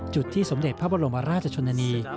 จุดที่สมเด็จพระบรมราชชนนานี